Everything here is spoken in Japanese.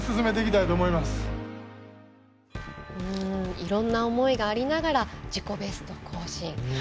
いろんな思いがありながら自己ベスト更新。